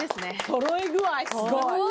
そろい具合すごい。